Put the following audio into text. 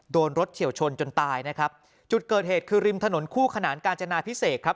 โดนรถเฉียวชนจนตายนะครับจุดเกิดเหตุคือริมถนนคู่ขนานกาญจนาพิเศษครับ